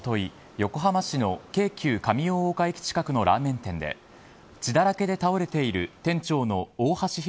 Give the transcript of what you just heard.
横浜市の京急・上大岡駅近くのラーメン店で血だらけで倒れている店長の大橋弘